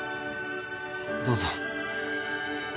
どうぞ